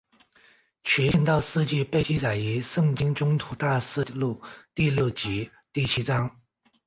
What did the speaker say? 其殉道事迹被记载于圣经宗徒大事录第六及第七章。